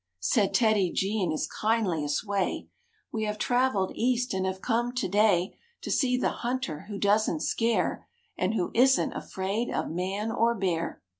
k! Said TEDDY G in his kindliest way, "We have traveled East and have come to day To see the hunter who doesn't scare And who isn't afraid of man or bear."